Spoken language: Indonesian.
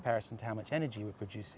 berbanding dengan energi yang kami produksi